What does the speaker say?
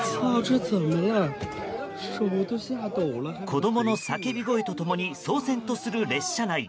子供の叫び声と共に騒然とする列車内。